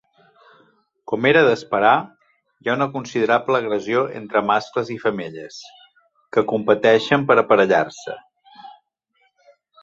Com era d'esperar, hi ha una considerable agressió entre mascles i entre femelles, que competeixen per aparellar-se.